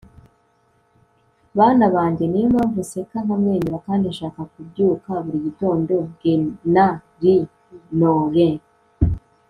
bana banjye niyo mpamvu nseka, nkamwenyura kandi nshaka kubyuka buri gitondo. - gena lee nolin